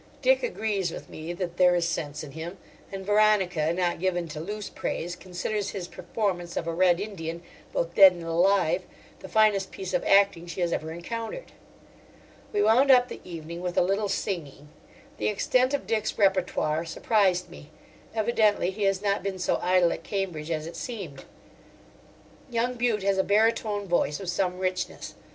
Dick agrees with me that there is sense in him; and Veronica, not given to loose praise, considers his performance of a Red Indian, both dead and alive, the finest piece of acting she has ever encountered. We wound up the evening with a little singing. The extent of Dick's repertoire surprised me; evidently he has not been so idle at Cambridge as it seemed. Young Bute has a baritone voice of some richness.